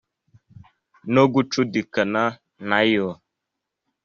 no gucudikana na yo.